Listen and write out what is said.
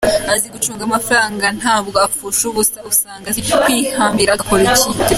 Azi gucunga amafaranga , ntabwo apfusha ubusa usanga azi kwihambira agakora icyihutirwa.